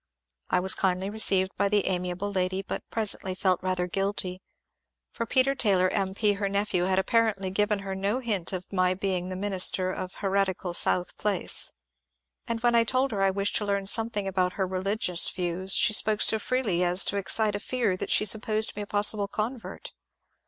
I was kindly received by the amiable lady but presently felt rather guilty ; for Peter Taylor M. P. her nephew had apparently given her no hint of my being the minister of heretical South Place ; and when I told her I wished to learn something about her religious views she spoke so freely as to excite a fear that she supposed me a possible convert.